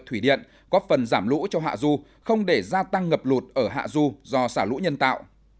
thủy điện góp phần giảm lũ cho hạ du không để gia tăng ngập lụt ở hạ du do xả lũ nhân tạo